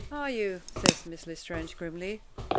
"Are you?" says Miss L'Estrange, grimly.